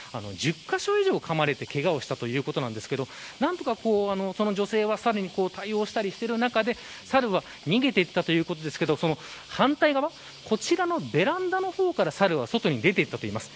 １０カ所以上かまれてけがをしたということなんですけど何とか、その女性はサルに対応したりしている中でサルは逃げていったということですがその反対側こちらのベランダの方からサルは外に出ていったといいます。